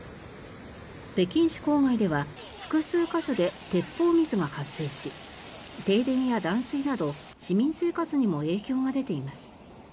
北京市郊外では複数箇所で鉄砲水が発生し停電や断水など市民生活にも影響が出ています。